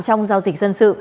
trong giao dịch dân sự